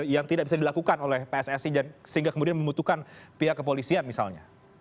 yang tidak bisa dilakukan oleh pssi sehingga kemudian membutuhkan pihak kepolisian misalnya